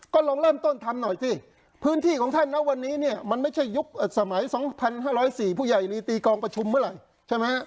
ก็ลองเริ่มต้นทำหน่อยสิพื้นที่ของท่านนะวันนี้เนี่ยมันไม่ใช่ยุคสมัย๒๕๐๔ผู้ใหญ่ลีตีกองประชุมเมื่อไหร่ใช่ไหมฮะ